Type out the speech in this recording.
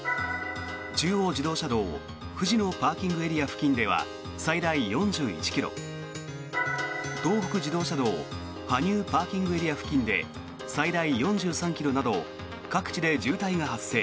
中央自動車道藤野ＰＡ付近では最大４１ｋｍ東北自動車道羽生ＰＡ付近で最大４３ｋｍなど各地で渋滞が発生。